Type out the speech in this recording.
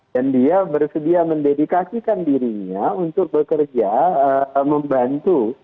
dan dia bersedia mendedikasikan dirinya untuk bekerja membantu